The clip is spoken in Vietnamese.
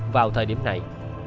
vào thời điểm này